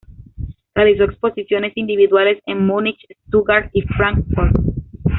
Realizó exposiciones individuales en Munich, Stuttgart y Frankfurt.